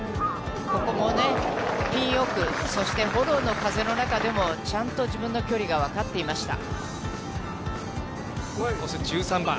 ここもね、ピン奥、そして、フォローの風の中でも、ちゃんと自分の距離が分かっていました。